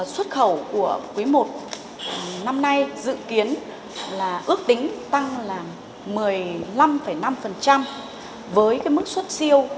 xuất khẩu của quý i năm nay dự kiến là ước tính tăng là một mươi năm năm với mức xuất siêu